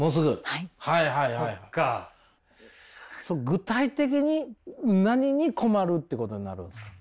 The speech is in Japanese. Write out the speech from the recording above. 具体的に何に困るっていうことになるんですか？